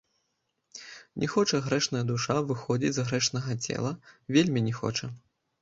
Не хоча грэшная душа выходзіць з грэшнага цела, вельмі не хоча.